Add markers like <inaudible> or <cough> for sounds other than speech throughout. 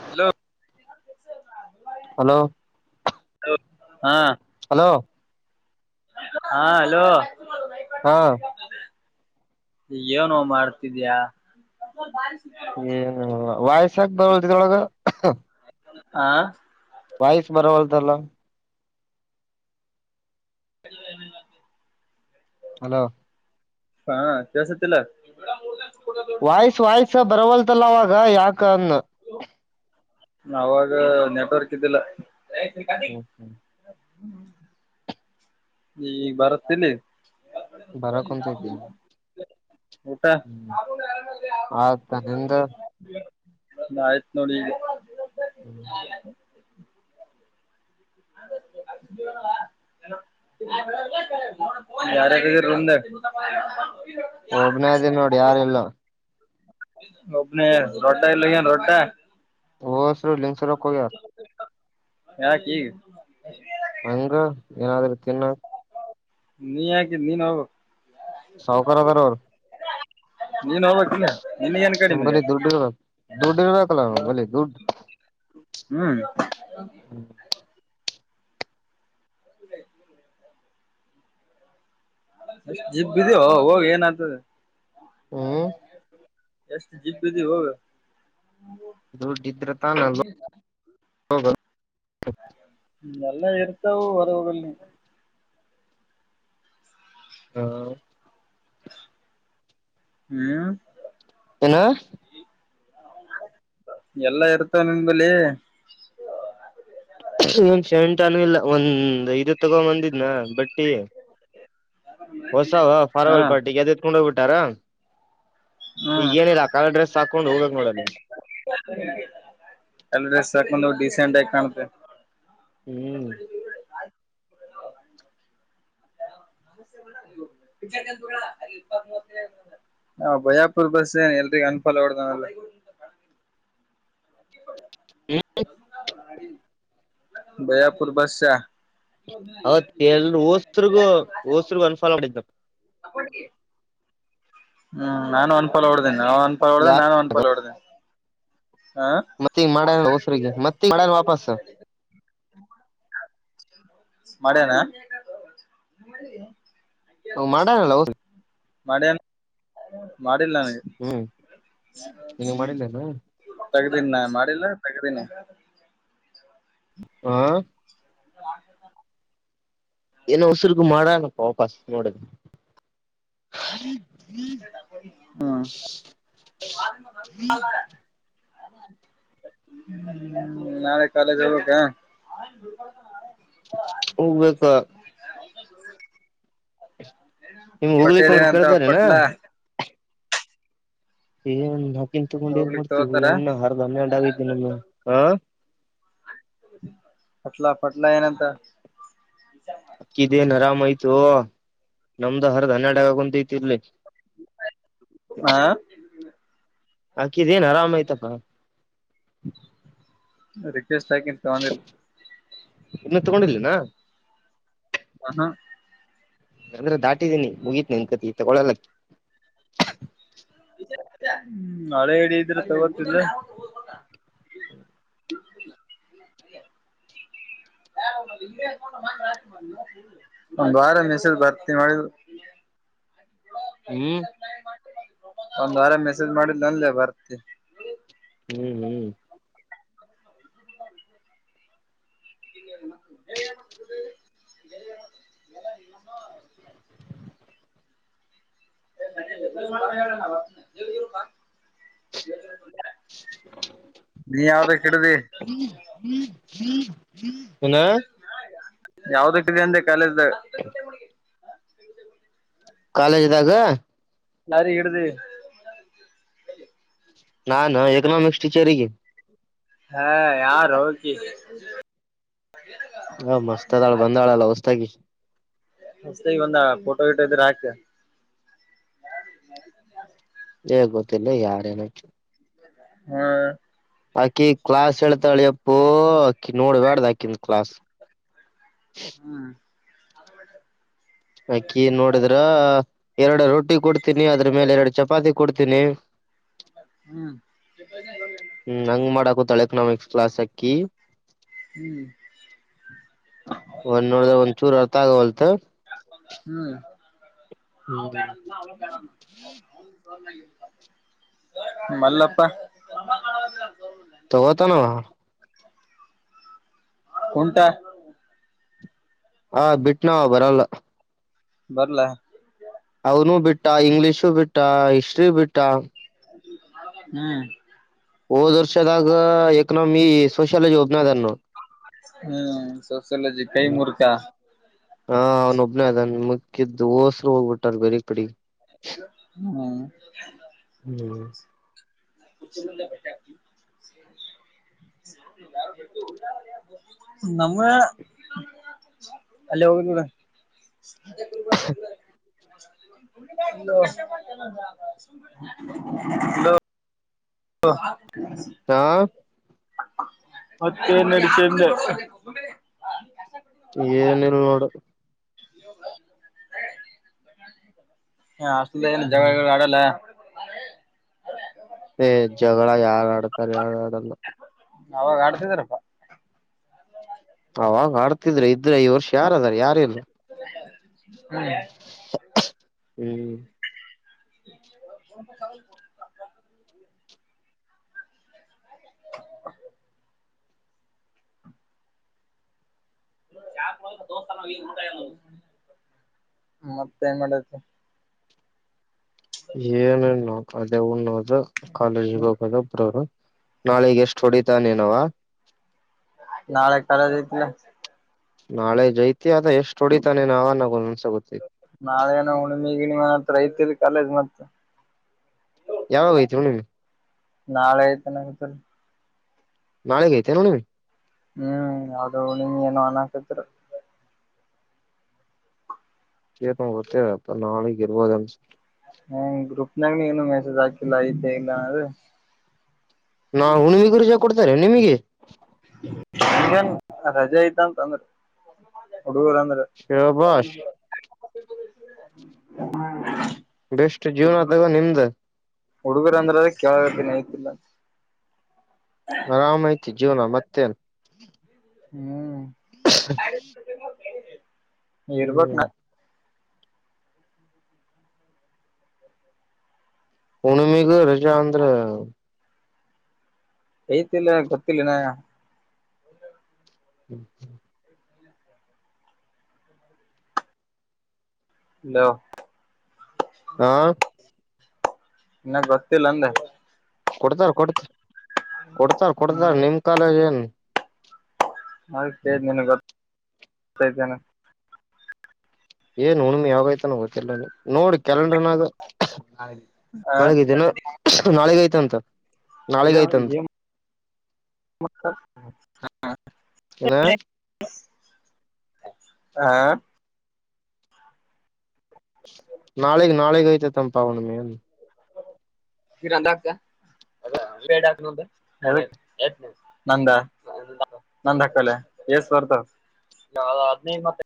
Hello hello ಹಾ hello ಹಾ hello ಹಾ ಏನೋ ಮಾಡ್ತಿದ್ಯಾ? ಏನೋ ವಾಯ್ಸ್ ಯಾಕ್ ಬರವಲ್ದಿದ್ರೊಳಗ. ಆ ವಾಯ್ಸ್ ಬರವಲ್ದಲ್ಲ. <unintelligible> ಹಲೋ ಹಾ ಕೆಳ್ಸತಿಲ್ಲ? ವಾಯ್ಸ್ ವಾಯ್ಸ್ ಬರವಲ್ತಲ್ಲ ಅವಾಗ ಯಾಕ ಅಂದ್ನ ಅವಾಗ ನೆಟ್ವರ್ಕ್ ಇದ್ದಿಲ್ಲ. ಈ ಬರತ್ತಿಲ್ಲಿ ಬರಾಕುಂತತಿ. ಊಟ ಹ್ಮ್ ಆತ ನಿಂದ ಆಯ್ತ್ ನೋಡ ಈಗ. <unintelligible> <unintelligible> ಯಾರ್ಯಾರಿದಿರೀ ರೂಮ್ದಾಗ ಒಬ್ಬನೇದಿನ್ ನೋಡ ಯಾರಿಲ್ಲ. ಒಬ್ಬನೇ ರೊಡ್ಡ ಎಲ್ಲಿ ಹೋಗ್ಯಾನ ರೊಡ್ಡ. ಲಿಂಗ್ಸುರುಕ್ ಹೋಗ್ಯಾನ. ಯಕ್ ಹೀಗ ಹಂಗ ಏನಾದ್ರೂ ತಿನ್ನು ನೀಯಕ ನೀನು ಹೋಗು. ಸಾವಕಾರಾದರೋರು. ನೀನ್ ಹೋಗ್ಬೇಕಿನ ನಂಬಲ್ಲಿ ದುಡ್ ಇರ್ಬೇಕ ದುಡ್ ಇರ್ಬೇಕಲ್ಲ ನಂಬಲ್ಲಿ ದುಡ್ಡು. ಹ್ಮ್ ಎಷ್ಟ ಜಿಬ್ ಇದಿಯೋ ಹೋಗ್ ಏನೈತದೆ ಹ್ಮ್ ಎಷ್ಟು ಜಿಬ ಇದಿಯೋ ಹೋಗ ದುಡಿದ್ರತಾನಲ್ಲೋಗದ್ ಎಲ್ಲಾ ಇರ್ತಾವೂ ಹೊರಗ ಹೋಗಲ್ಲ ನೀ. ಹಾ. ನೀನು. ಏನು ಎಲ್ಲಾ ಇರ್ತವೆ ನಿಂಬಲ್ಲಿ ಇನ್ ಶೆಂಟ ಅನು ಇಲ್ಲ ಒಂದ್ ಐದು ತಗೊಂಡ್ ಬಂದಿದ್ನ ಬಟ್ಟಿ ಹೊಸ ವ ಹಾ ಫಾರ್ವಲ್ ಪಾರ್ಟಿಗೆ ಅದಹೆತ್ಕೊಂಡೋಗ್ಬಿಟ್ಟಾರಾ ಈಗ ಹ್ಮ್ ಏನಿಲ್ಲ ಕಲರ್ ಡ್ರೆಸ್ ಹಾಕೊಂಡು ಹೋಗಬೇಕ್ ನೋಡ ಅಲ್ಲಿಗೆ ಕಲರ್ ಡರ್ಸ್ ಹಾಕೊಂಡು ಹೋಗ್ ಡೀಸೆಂಟ್ ಆಗ ಕಾಣುತ್ತೆ. ಹ್ಮ್ ನಾ ಬಯಾಪುರ್ ಬಸ್ ಏನ್ ಎಲ್ರಿ ಅನ್ಫಲ್ ಹೊಡ್ದನಲ. ಹ್ಮ ಬಯಾಪುರ್ ಬಸ್ಸ ಅವೌತ್ ಎಲ್ ಹೋಸರುಗು ಹೋಸ್ರಗ ಅನ್ಫಲ ಮಾಡಿದ. ಅಕೌಂಟ್ಗಿ ಹ್ಮ್ ನಾನು ಒಂದಫಲ ಹೊೋಡ್ದೇನೆ ನಾ ಒಂದ ಲ ಯಾ ಹೊಡ್ದೇನೆ ನಾನು ಒನ್ಫಲ ಹೊೋಡ್ದೇನೆ ಮತ್ತೆ ಮಾಡ್ಯ ಹೊಸರಿಗೆ ಮತ್ತ ಮಾಡ್ಯನ ವಾಪಸ ಮಾಡ್ಯನ ಹ ಮಾಡಣಲ್ಲ ಹದು ಮಾಡನ ಮಾಡ್ ಹ್ಮ್ ನಿನಗೆ ಮಾಡಿಲ್ಲ ಎನ ತೆಗದನ್ ಮಾಡಿಲ್ಲ ತಗದೀಲಾ ಆ ಆ ಏನೋ ಉಸಿರುಗೂ ಮಾಡಣಪ್ಪ ವಾಪಸ್ ನೋಡದು ಹ್ಮ್ ಹ್ಮ ಹ್ಮ್ ಹ ಹ್ಮ ನಾಳೆ ಕಾಲೇಜಿಗ್ ಹೋಗ ಬೇಕಾ ಹೋಗ್ಬೇಕಾ ನಿಮ್ ಹೋಗ್ಲಿಕ್ಕ ಪಟೇಲ್ ಅಂದ್ರೆ ಏನಂತ ಕೇಳ್ತಾರೆ ನಾ ಪಟ್ಲಾ ಏಣ್ಣಾಕನ್ ತಗೊಂಡೇ ಹೋಗ್ಲಿಕ್ ಮಾಡ್ತತಿವಿ ತಗೋತಾರ ಎಣ್ಣ ಹರ್ಧ ಹನ್ನೆರಡು ಆಗಿದ್ದ ನಮ್ಮ್ ಹಾ ಪಟ್ಲ ಪಟ್ಲ ಏನಂತ ಅಕ್ಕಿ ದೇನ್ ಆರಾಮಯ್ತು ನಮ್ದ ಹರದು ಹನ್ನೆರಡು ಆಗಕೊಂತಐತಿ ಇಲ್ಲಿ ಆ ಆಕಿದೇನ್ ಆರಾಮಯ್ತಪ್ಪ. ರಿಕ್ವೆಸ್ಟ್ ಆಕಿ ನ ತಗೋಡಿಲ್ಲ ಇನ್ನ ತಗೊಂಡಿರ್ಲಿನ ಹ ಹಾ ಅಂದ್ರೆ ದಾಟಿದೀನಿ ಮುಗೀತ ನಿನ್ನ ಕತಿ ತಗೊಳ್ಳಲಕಿ ಹ್ಮ್ ಮಳೆ ಹಿಡಿದ್ರೆ ತಗೋತಿದ್ರ ಹ್ಮ ಒಂದು ವಾರ ಮೆಸೇಜಬರ್ತೀ ಮಾಡಿದ <unintelligible> ಹ್ಮ್ ಒಂದ್ ವಾರ ಮೆಸೇಜ್ ಮಾಡಿನಂದ ಬರ್ತಿ ಹ್ಮ್ ಹ್ಮ್ <unintelligible> <unintelligible> <inaudible> ನೀ ಯಾವ್ದಕ್ ಹಿಡ್ದಿ ಏನಾ ಯಾವ್ದಕ್ಕಿದೆ ಅಂದೆ ಕಾಲೇಜ್ದ. ಕಾಲೇಜ್ ದಾಗ ಲಾರಿ ಇಡ್ಡಿ ನಾನು ಎಕೊನೋಮಿಸ್ ಟಿಚರ್ ಗೆ ಹಾ ಯಾರೋ ಆಕಿ ಹ ಮಸ್ತ್ ಅದಾಳ ಬಂದಾಳಲ್ಲ ಹೊಸದಾಗಿ ಹೋಸದಾಗಿ ಬಂದಾಳ ಫೋಟೋ ಗಿಟೋ ಇದ್ರೆ ಹಾಕು ಏ ಗೊತ್ತಿಲ್ಲ ಯಾರ ಆಕಿ ಹಾ ಆಕಿ ಕ್ಲಾಸ್ ಹೇಳ್ತಾಳೆ ಎಪ್ಪೊ ಅಕಿ ನೋಡಬ್ಯಾಡ ಆಕಿನ ಕ್ಲಾಸ್ ಹ್ಮ್ ಆಕಿ ನೋಡಿದ್ರ ಎರಡು ರೊಟ್ಟಿ ಕೊಡ್ತೀನಿ ಅದ್ರ ಮೇಲೆ ಎರಡು ಚಪಾತಿ ಕೊಡ್ತೀನಿ ಹ್ಮ್ ಹ್ಮ್ ಹಂಗ್ ಮಾಡಾಕೂತಾಳ ಎಕನಾಮಿಕ್ಸ್ ಕ್ಲಾಸ್ ಆಕಿ ಹ್ಮ್ ಒಂದ್ ನೋಡ್ದ ಒಂದ್ ಚೂರು ಅರ್ಥ ಆಗವಲ್ತ್ ಹ್ಮ್ ನಾವು ಹ್ಮ್ ಬೇಡ ಅಂದ್ನ ಅವನು ಬೇಡ ಅಂದ ಮಲ್ಲಪ್ಪ ತಗೋತಾನವ ಕುಂಟ ಹ ಬಿಟ್ಟನೋ ಆವ ಬರಲ್ಲ ಬರ್ಲಾ ಅವನು ಬಿಟ್ಟ ಇಂಗ್ಲಿಷು ಬಿಟ್ಟ ಹಿಸ್ಟ್ರಿ ಬಿಟ್ಟ ಹ್ಮ್ ಹೋದ್ ವರ್ಷದಾಗ ಎಕನಾಮಿಕ್ಸ್ ಸೋಷಿಯಾಲಜಿ ಒಬ್ನದ ನೋಡು ಹ್ಮ ಸೊಸಲಜಿ ಕೈ ಮುರ್ಕಾ ಹಾ ಅವ್ನೊಬ್ಬನೇ ಅದನ್ ಮುಕ್ಕಿದ್ದ್ ಹೋಸರು ಹೋಗ್ಬಿಟ್ಟಾರ ಬೇರ ಕಡೆಗೆ ಹ್ಮ ಹ್ಮ್ <unintelligible> ನಮ್ಮ ಅಲ್ಲಿ ಹೋಗೊನಬಿಡು ಹಲೋ ಹಲೋ ಹ ಹಾ ಮತ್ತೆ ಏನ್ ನೆಡಿತು ಅಂದೇ ಏನಿಲ್ಲ ನೋಡು ಹ ಅಷ್ಟ ಏನು ಹ್ಮ್ ಜಗಳಗಿಡಾಲ ಆಡಲ್ಲ ಏ ಜಗಳ ಯಾರ್ ಆಡ್ತಾರೆ ಯಾರು ಆಡಲ್ಲ ಅವಾಗ ಆಡ್ತಿದಾರಪ್ಪಾ ಅವಾಗ ಆಡ್ತಿದ್ರ ಇದ್ರೆ ಈ ವರ್ಷ ಯಾರದಾರ ಯಾರಲ್ಲ ಹಳ್ಳ ಹ್ಮ್ ಚಾಪ ದೋಸ್ತ ಉಊಟಾಯ ಮತ್ತೆ ಏನ್ ಮಾಡತಿ ಏನು ಇ್ಣ ಅದೇ ಹಣೋದು ಕಾಲೇಜಿಗೆ ಹೋಗೋದ ಒಬ್್ರವರು ನಾಳಿಗೆ ಎಷ್ಟು ಹೊಡಿತಾನೇನವ ನಾಳೆ ಕರಜಐತಿ ನಾಳೆ ಜೈತ್ ಎಷ್ಟು ಹೊಡಿತಾನೆನೋ ನನಗೆ ಗೊತ್ತಿಲ್ಲ ನಾಳೆನ ಹುಣಮಿ ಗಿಣಿಮಿ ಹತ್ರ ಐತಿಲ್ ಕಾಲೇಜ್ ಮತ್ತ ಯಾವಾಗ ಐತಿ ಹುಣ್ಣಿಮೆ ನಾಳೆ ಐತೆ ನಂಗ ನಾಳೆ ಐತೆಯೋ ನಿನಗೆ ಹ್ಮ್ ಅದು ನಿಂಗ ಏನೋ ಅನ್ನಕಾತಿದ್ರು ೇರ್ ನ್ ಗೊತ್ತೇವ ಅಪ್ಪ ನಾಳೆಗ್ ಇರ್ಬೋದನ್ಸ ಹ ಗ್ರೂಪ್ನಾಗನ ಏನು ಮೆಸೇಜ್ ಹಾಕಿಲ್ಲ ಐತೆ ಇಲ್ಲ ಅ್ರೆ ನಾ ಹುಣಮಿಗರುಜ ಕೊಡ್ತಾರೆ ನಿಮಗೆ ಈಗನ್ ರಜೆ ಐತ ಅಂತಂದ್ರ ಹಡುಗರಂದರ ಶಬಾಷ್ ಬೆಷ್ಟು ಜೀವನ ತಗೋ ನಿಮ್ದ ಹುಡುಗರುಂದ್ರ ಅದ ಕಾಗತನ ಐ್ತಿಲ್ಲ ಆರಾಮ ಆಐ್ತಿ ಜೀವನ ಮತ್ತೆ ಹ್ಮ್ ್ಮ ಇರ್ಬೇಕಕ್ ನ ಪಣಮಗ ರಜಾಂದ್ರ ಏತಿಲ್ಲ ಗೊತ್ತಿಲ್ಲನ ಹ್ಮ್ ಹ್ಮ್ ನ ಹಾ ಇನ್ನಾಗ ಗೊತ್ತಿಲ್ಲ ಅಂದ ಕೊಡ್ತಾರ ಕೊಡ್ತ ಕೊಡ್ತಾರ ಕೊಡ್ತಾರ ಹ್ಮ್ ನಿಮ್ ಕಾಲೇಜ್ ಏನ್ ಅದೇನ ಗೊ ಗೊ ಇದ್ದೇನೆ ಏನ್ ಉಣುಮಿ ಯಾವಾಗ್ತಾನ ಗಓತ್ತತಿಿಲ್ಲಲ್ಲ ನೀವು ನೋಡಿ ಕ್ಯಾಲಂಡ್ರನಾಗ ಆ ನಾಳಗ ಇದ್ದೇನ ನಾಳೆಗ ಐತೆಂತ ಕಾರ ಏನ ಹಾ ನಾಳಗ್ ನಾಳಗ್ ಐತತ್ಂಪ ಅವನ ಮೇನ್ ಕಿ ಹಾತ ಹ ನಂದ ಹಾಕ್ಕಲ್ಲ ಎಸ್ ವರ್ತದ ಮತ್ತ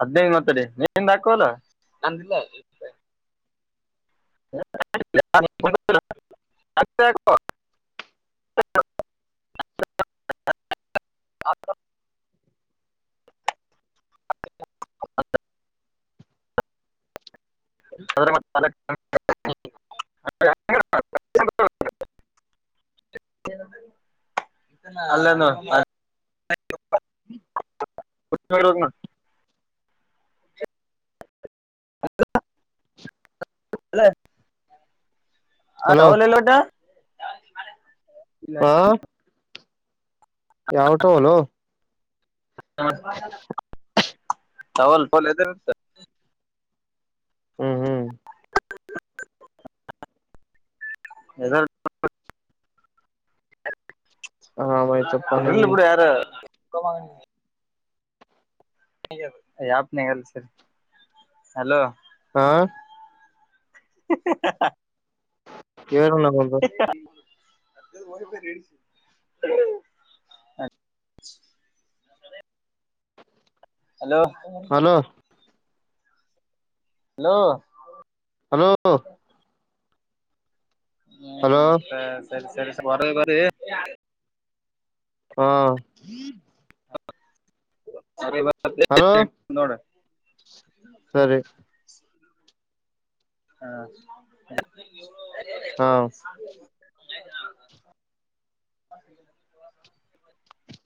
ಹದ್ಿನೈದು ಮತ್ತಡಿ ನೀಿಂದ ಹಾಕಲ್ಲ ಹ ಹ ಅ್ರ ಅಲ್ಲ ಅ ಅ ಹಲೋ ಆಲಲ್ಲೋಟ ಹಾ.. <inaudible> ಯಾವ, ಟೊಳ್ಳು. <inaudible> ಸಾವಲ್, ಪಲ್. <unintelligible> ಹ್ಮ್, ಹ್ಮ್. <inaudible> ಎಧೇಳು! <unintelligible> ಆರಾಮ್ ಆಯ್ತಪ್ಪಾ ನಿಮ್ ಇರುಳಿ ಬಿಡು, ಯಾರು? <unintelligible> ಹಪ್ಪನಾ, ಹೇಳಿ, ಸರಿ, ಅಲೋ. <unintelligible> ಹಾ.. <inaudible> <unintelligible> <inaudible> ಕೇಳಿನೋಡಿನಾ, ಬಂದು. <inaudible> ಅ. <unintelligible> Hello hello hello hello hello ಹ್ಮ್, ಸರಿ, ಸರಿ, ಸ, ಬರಿ, ಬರಿ! <unintelligible> ಹಾ... <inaudible> ಅ, ಸರಿ, ಬರುತ್ತಿ, ಹಲೋ ನಾ, ನೋಡು? <unintelligible> ಸರಿ.. <inaudible> ಹಾ, ಹ. ಹಾ <unintelligible> <unintelligible> <inaudible>